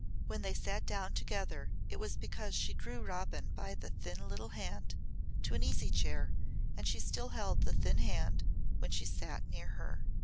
When they sat down together it was because she drew Robin by the thin little hand to an easy chair and she still held the thin hand when she sat near her.